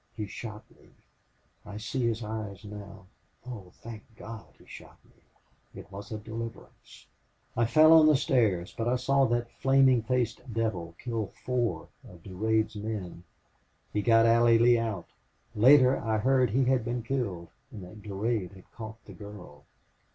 He shot me. I see his eyes now. But oh, thank God, he shot me! It was a deliverance. I fell on the stairs, but I saw that flaming faced devil kill four of Durade's men. He got Allie Lee out. Later I heard he had been killed and that Durade had caught the girl.